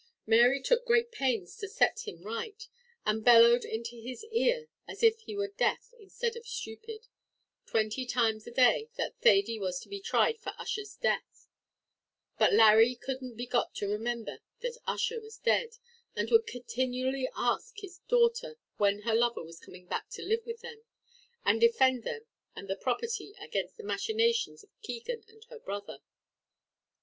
Mary took great pains to set him right, and bellowed into his ear as if he were deaf instead of stupid, twenty times a day, that Thady was to be tried for Ussher's death; but Larry couldn't be got to remember that Ussher was dead, and would continually ask his daughter when her lover was coming back to live with them, and defend them and the property against the machinations of Keegan and her brother.